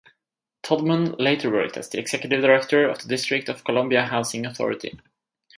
Todman later worked as the executive director of the District of Columbia Housing Authority.